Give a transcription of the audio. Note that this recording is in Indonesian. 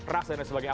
ras dan sebagainya